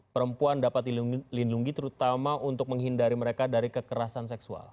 perempuan dapat dilindungi terutama untuk menghindari mereka dari kekerasan seksual